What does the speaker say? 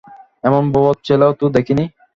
এমন বদ ছেলেও তো দেখি নি।